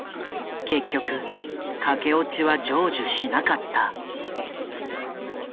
結局駆け落ちは成就しなかった。